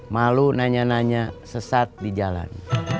malu nanya nanya sesat di jalan